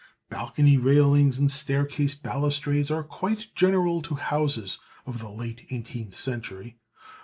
Balcony railings and staircase balustrades are quite general to houses of the late eighteenth century.